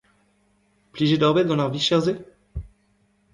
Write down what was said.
Plijet oc'h bet gant ar micher-se ?